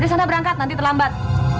di sana berangkat nanti terlambat